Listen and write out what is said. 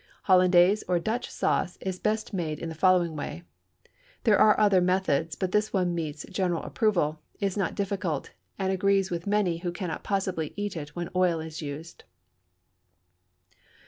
Hollandaise or Dutch sauce is best made in the following way. There are other methods, but this one meets general approval, is not difficult, and agrees with many who cannot possibly eat it when oil is used.